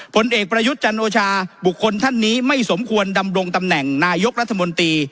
ผลเอกประยุทธ์จันโอชาบุคคลท่านนี้ไม่สมควรดำรงตำแหน่งนายกรัฐมนตรี